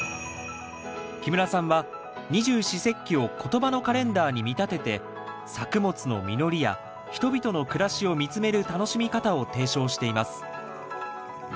木村さんは二十四節気を言葉のカレンダーに見立てて作物の実りや人々の暮らしを見つめる楽しみ方を提唱しています